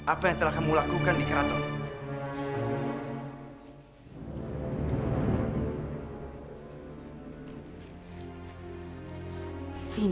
apa yang telah kamu lakukan di keraton